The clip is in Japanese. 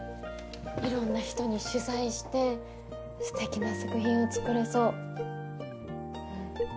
いろんな人に取材して素敵な作品を作れそう。